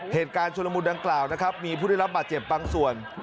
เหตุการณ์ชุลมุนดังกล่าวนะครับมีผู้ได้รับบาดเจ็บบางส่วน